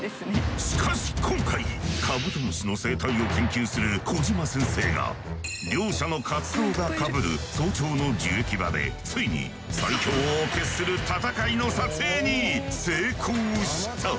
しかし今回カブトムシの生態を研究する小島先生が両者の活動がかぶる早朝の樹液場でついに最強を決する戦いの瞬間の撮影に成功した。